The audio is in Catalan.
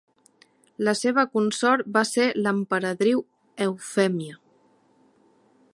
La seva consort va ser l'emperadriu Eufèmia.